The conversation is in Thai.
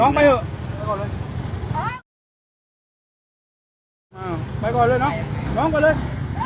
น้องไปก่อนเลยน้องไปเลย